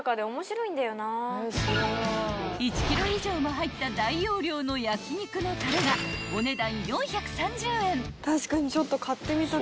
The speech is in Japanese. ［１ｋｇ以上も入った大容量の焼肉のたれがお値段］